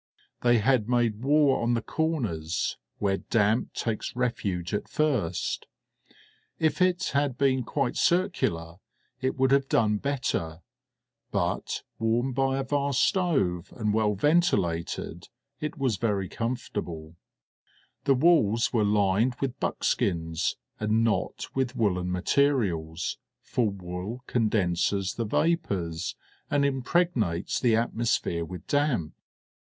They had made war on the corners, where damp takes refuge at first. If it had been quite circular it would have done better, but warmed by a vast stove and well ventilated, it was very comfortable; the walls were lined with buckskins and not with woollen materials, for wool condenses the vapours and impregnates the atmosphere with damp.